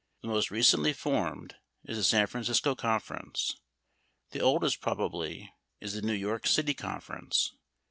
The most recently formed is the San Francisco Conference; the oldest, probably, is the New York City Conference.